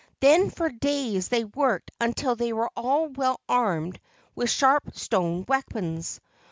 Then for days they worked until they were all well armed with sharp stone weapons.